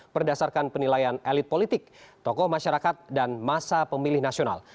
berdasarkan penilaian elit politik tokoh masyarakat dan masa pemilih nasional